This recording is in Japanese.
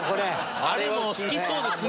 あれも好きそうですね